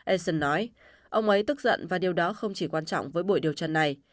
eisen nói ông ấy tức giận và điều đó không chỉ quan trọng với buổi điều tra này